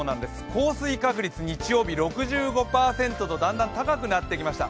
降水確率、日曜日６５％とだんだん高くなってきました。